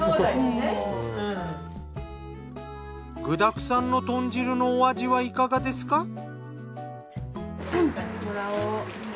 具だくさんの豚汁のお味はいかがですか？